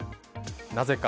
なぜか？